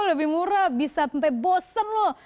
lebih murah bisa sampai bosen loh